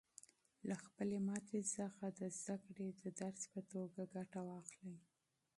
له خپلې ماتې څخه د زده کړې د درس په توګه ګټه واخلئ.